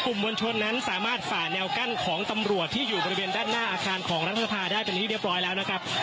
มวลชนนั้นสามารถฝ่าแนวกั้นของตำรวจที่อยู่บริเวณด้านหน้าอาคารของรัฐสภาได้เป็นที่เรียบร้อยแล้วนะครับ